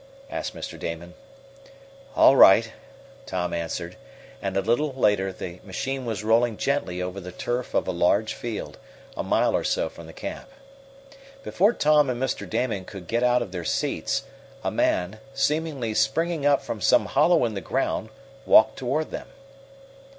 asked Mr. Damon. "All right," Tom answered, and a little later the machine was rolling gently over the turf of a large field, a mile or so from the camp. Before Tom and Mr. Damon could get out of their seats, a man, seemingly springing up from some hollow in the ground, walked toward them.